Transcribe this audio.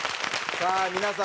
さあ皆さん